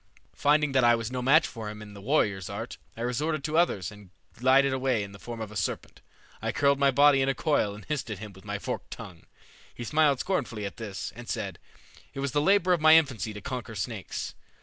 "Finding that I was no match for him in the warrior's art, I resorted to others and glided away in the form of a serpent. I curled my body in a coil and hissed at him with my forked tongue. He smiled scornfully at this, and said, 'It was the labor of my infancy to conquer snakes.'